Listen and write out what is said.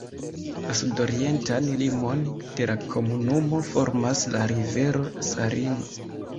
La sudorientan limon de la komunumo formas la rivero Sarino.